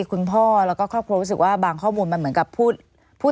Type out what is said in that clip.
คุณพ่อแล้วก็ครอบครัวรู้สึกว่าบางข้อมูลมันเหมือนกับพูดพูด